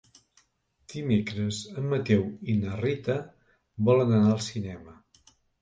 Dimecres en Mateu i na Rita volen anar al cinema.